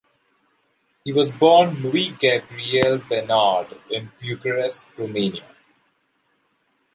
He was born Louis-Gabriel Besnard in Bucharest, Romania.